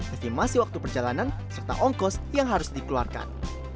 estimasi waktu perjalanan serta ongkos yang harus dikeluarkan